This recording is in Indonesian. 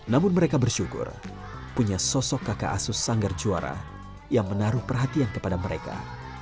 namun mereka bersyukur punya sosok kakak asus sanggar juara yang menaruh perhatian kepada mereka